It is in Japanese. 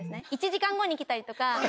１時間後に来たりとか。